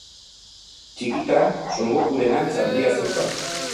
Txikitan Son Gokuren antza handia zeukan.